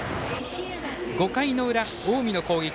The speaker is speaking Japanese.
５回の裏、近江の攻撃。